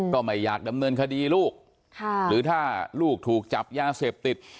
ก็ไม่อยากดำเนินคดีลูกหรือถ้าลูกถูกจับยาเสพติด